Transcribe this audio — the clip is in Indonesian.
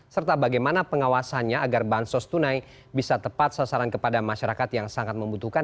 serta bagaimana pengawasannya agar bansos tunai bisa tepat sasaran kepada masyarakat yang sangat membutuhkan